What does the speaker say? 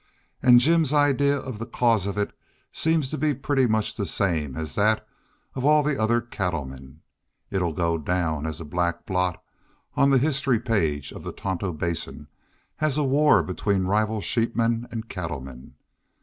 An' Jim's idea of the cause of it seems to be pretty much the same as that of all the other cattlemen. It 'll go down a black blot on the history page of the Tonto Basin as a war between rival sheepmen an' cattlemen.